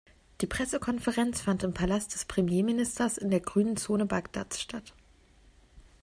Die Pressekonferenz fand im Palast des Premierministers in der Grünen Zone Bagdads statt.